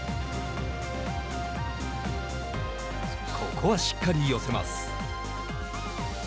ここはしっかり寄せます。